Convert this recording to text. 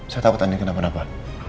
saya tahu ke andin kenapa napa